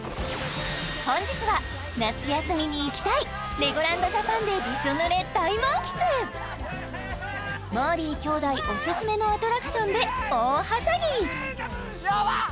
本日は夏休みに行きたいレゴランド・ジャパンでびしょ濡れ大満喫もーりー兄弟オススメのアトラクションで大はしゃぎヤバっ！